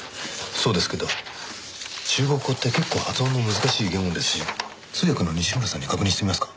そうですけど中国語って結構発音の難しい言語ですし通訳の西村さんに確認してみますか？